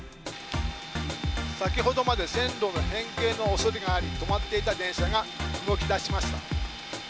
先ほどまで線路の変形のおそれがあり止まっていた電車が動きだしました。